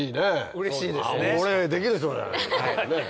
うれしいですね。